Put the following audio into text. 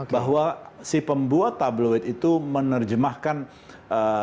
bahwa si pembuat tabloid itu menerjemahkan ee